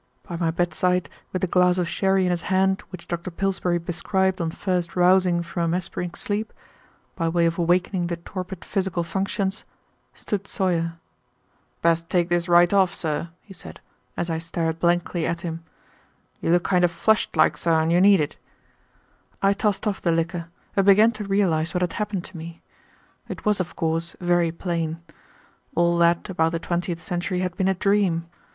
By my bedside, with the glass of sherry in his hand which Dr. Pillsbury prescribed on first rousing from a mesmeric sleep, by way of awakening the torpid physical functions, stood Sawyer. "Better take this right off, sir," he said, as I stared blankly at him. "You look kind of flushed like, sir, and you need it." I tossed off the liquor and began to realize what had happened to me. It was, of course, very plain. All that about the twentieth century had been a dream.